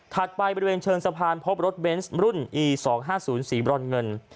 ถัดไปบริเวณเชิงสะพานพบรถเบนส์รุ่นอีสองห้าศูนย์สี่บรรเงิน